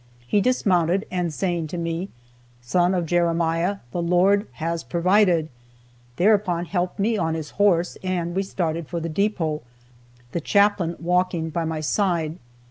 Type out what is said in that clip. He dismounted, and saying to me, "Son of Jeremiah, the Lord has provided," thereupon helped me on his horse, and we started for the depot, the Chaplain walking by my side.